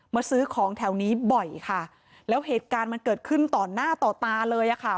ซื้อของแถวนี้บ่อยค่ะแล้วเหตุการณ์มันเกิดขึ้นต่อหน้าต่อตาเลยอ่ะค่ะ